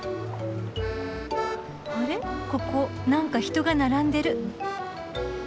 あれここなんか人が並んでる。